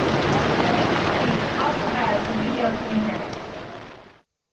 Virginia City also has a Boothill Cemetery.